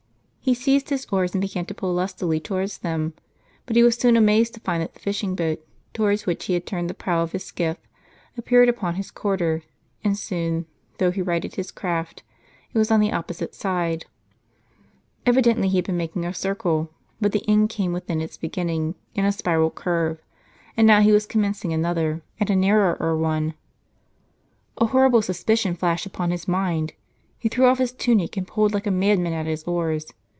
He seized his oars, and began to pull lustily towards them ; but he was soon amazed to find that the fishing boat, towards which he had turned the prow of his skiff, appeared upon his quarter ; and soon, though he righted his craft, it was on the opposite side. Evidently he had been making a circle ; but the end came within its beginning, in a spiral curve, and now he was commencing another and a narrower one. A horrible suspi cion flashed upon his mind : he threw off his tunic and pulled like a madman at his oars.